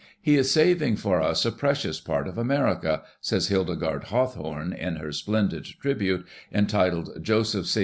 "He is saving for us a precious part of America," says Hildegarde Hawtliorne in her splendid tribute entitled "Joseph C.